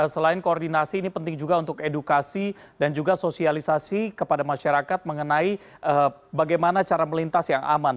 selain koordinasi ini penting juga untuk edukasi dan juga sosialisasi kepada masyarakat mengenai bagaimana cara melintas yang aman